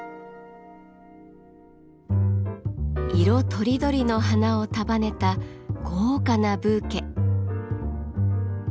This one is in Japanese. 色とりどりの花を束ねた豪華なブーケ。